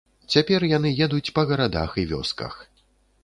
Цяпер яны едуць па гарадах і вёсках.